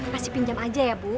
kasih pinjam aja ya bu